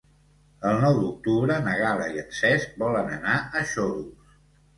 El nou d'octubre na Gal·la i en Cesc volen anar a Xodos.